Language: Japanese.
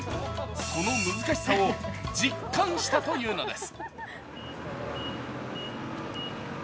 その難しさを実感したというのです。